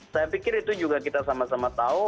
saya pikir itu juga kita sama sama tahu